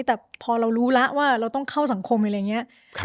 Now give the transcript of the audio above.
แต่พอเรารู้แล้วว่าเราต้องเข้าสังคมอะไรอย่างนี้